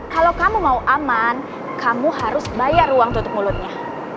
kalau kamu mau aman kamu harus bayar ruang tutup mulutnya